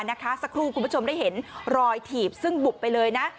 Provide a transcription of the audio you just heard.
สักครู่คุณผู้ชมได้เห็นรอยถีบซึ่งบุบไปเลยนะ